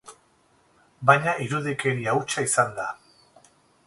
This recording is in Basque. Baina irudikeria hutsa izan da.